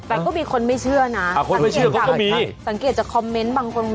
แต่ก็มีคนไม่เชื่อนะก็มีสังเกตจากคอมเมนต์บางคน